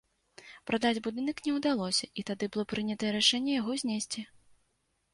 Прадаць будынак не ўдалося і тады было прынятае рашэнне яго знесці.